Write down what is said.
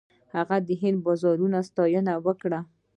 هغه د چین د بازارونو ستاینه وکړه.